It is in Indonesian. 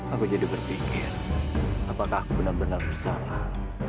aku jadi berpikir apakah aku benar benar bersalah